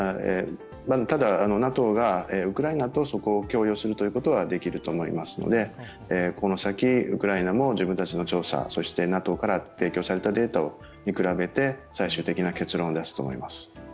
ただ、ＮＡＴＯがウクライナとそこを共有するということはできると思いますのでこの先、ウクライナも自分たちの調査、そしてＮＡＴＯから提供されたデータに比べて、最終的な結論を出すと思います。